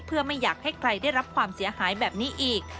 เพื่อไม่อยากให้ใครได้รับความเสียหายแบบนี้อีก